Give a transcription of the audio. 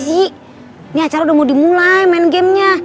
ini acara udah mau dimulai main gamenya